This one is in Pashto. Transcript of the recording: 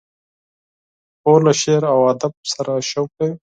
خور له شعر و ادب سره شوق لري.